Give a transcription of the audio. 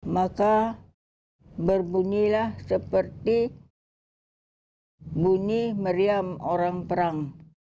maka berbunyilah seperti bunyi meriam orang perang